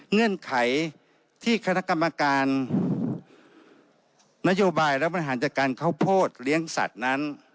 เงื่อนไขที่คณะกรรมการนโยบายและบริหารจัดการข้าวโพดเลี้ยงสัตว์นั้น